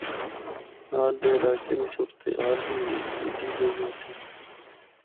نال دے علاقیاں دی صورت حال بھی ہِجی جئی آسی۔